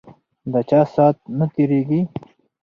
ده چا سات نه تیریږی